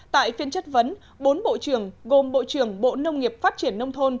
tại phiên chất vấn bốn bộ trưởng gồm bộ trưởng bộ nông nghiệp phát triển nông thôn